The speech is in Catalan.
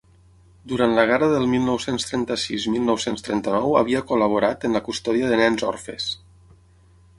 Durant la guerra del mil nou-cents trenta-sis-mil nou-cents trenta-nou havia col·laborat en la custòdia de nens orfes.